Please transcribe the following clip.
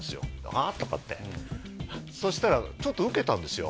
「あっ？」とかってそしたらちょっとウケたんですよ